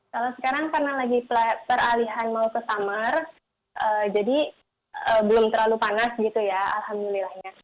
kalau sekarang karena lagi peralihan mau ke summer jadi belum terlalu panas gitu ya alhamdulillahnya